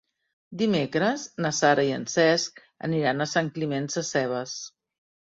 Dimecres na Sara i en Cesc aniran a Sant Climent Sescebes.